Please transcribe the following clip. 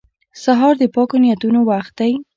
سهار د پاکو نیتونو وخت دی.